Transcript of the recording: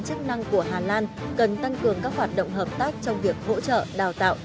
chức năng của hà lan cần tăng cường các hoạt động hợp tác trong việc hỗ trợ đào tạo